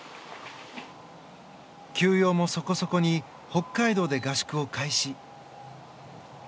休養もそこそこに北海道で合宿を開始。